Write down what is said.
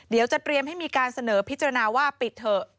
เดี๋ยวจะเตรียมให้มีการเสนอพิจารณาว่าปิดเถอะ